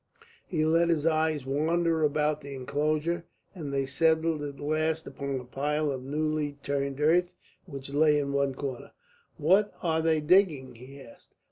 He let his eyes wander about the enclosure, and they settled at last upon a pile of newly turned earth which lay in one corner. "What are they digging?" he asked.